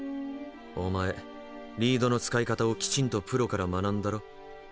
お前リードの使い方をきちんとプロから学んだろ？